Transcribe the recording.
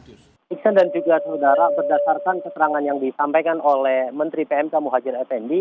dan juga saudara berdasarkan keterangan yang disampaikan oleh menteri pmk muhajir effendi